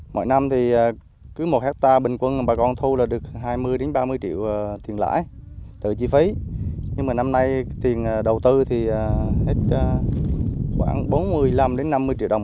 mỗi năm thì cứ một hectare bình quân bà con thu là được hai mươi ba mươi triệu tiền lãi từ chi phí nhưng mà năm nay tiền đầu tư thì hết khoảng bốn mươi năm năm mươi triệu đồng